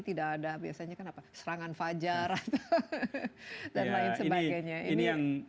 tidak ada biasanya kan apa serangan fajar dan lain sebagainya